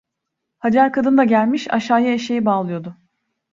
Hacer kadın da gelmiş, aşağıya eşeği bağlıyordu.